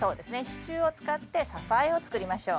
支柱を使って支えを作りましょう。